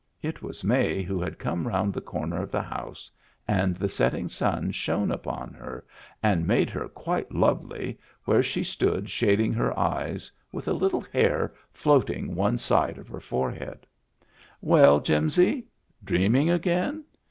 It was May, who had come round the comer of the house, and the setting sun shone upon her and made her quite lovely, where she stood shading her eyes, with a little hair floating one side of her forehead. "Well, Jimsy! Dreaming again!